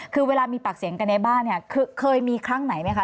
คือเวลามีปากเสียงกันในบ้านเนี่ยเคยมีครั้งไหนไหมคะ